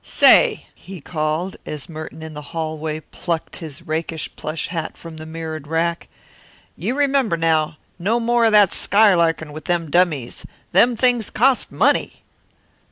"Say!" he called, as Merton in the hallway plucked his rakish plush hat from the mirrored rack. "You remember, now, no more o' that skylarkin' with them dummies! Them things cost money."